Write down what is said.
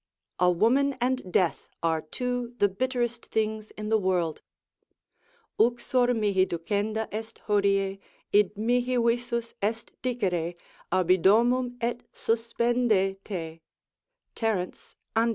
A woman and death are two the bitterest things in the world: uxor mihi ducenda est hodie, id mihi visus est dicere, abi domum et suspende te. Ter. And.